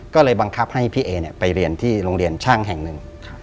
ก็เลยบังคับให้พี่เอไปเรียนที่โรงเรียนช่างแห่งหนึ่ง